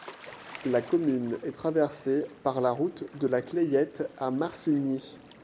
La commune est traversée par la route de la Clayette à Marcigny.